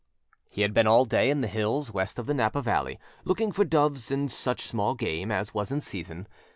He had been all day in the hills west of the Napa Valley, looking for doves and such small game as was in season.